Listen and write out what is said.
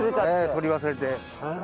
取り忘れて。